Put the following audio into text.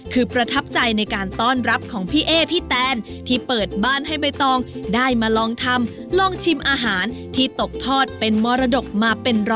คุณผู้ชมคะ